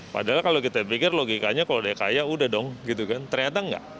padahal kalau kita pikir logikanya kalau dia kaya udah dong gitu kan ternyata enggak